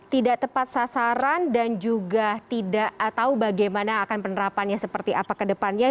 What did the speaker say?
tidak tepat sasaran dan juga tidak tahu bagaimana akan penerapannya seperti apa ke depannya